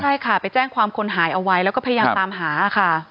ใช่ค่ะไปแจ้งความคนหายเอาไว้แล้วก็พยายามตามหาค่ะ